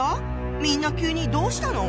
みんな急にどうしたの？